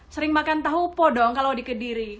sering makan tahupo dong kalau di kediri